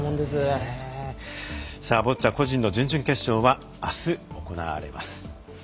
ボッチャ個人の準々決勝はあす行われます。